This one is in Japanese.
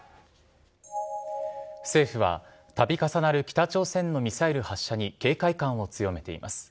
政府はたび重なる北朝鮮のミサイル発射に警戒感を強めています。